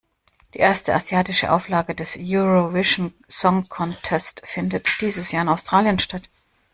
Die erste asiatische Auflage des Eurovision Song Contest findet dieses Jahr in Australien statt.